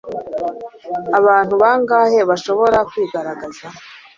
abantu bangahe bashobora kwigaragaza